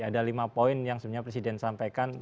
ada lima poin yang sebenarnya presiden sampaikan